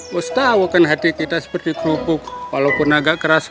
mesti tahu kan hati kita seperti kerupuk walaupun agak keras